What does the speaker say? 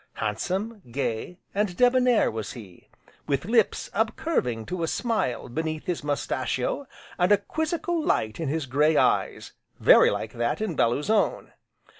Handsome, gay, and debonair was he, with lips up curving to a smile beneath his moustachio, and a quizzical light in his grey eyes, very like that in Bellew's own.